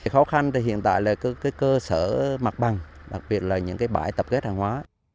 khó khăn hiện tại là cơ sở mặt bằng đặc biệt là những bãi tập kết hàng hóa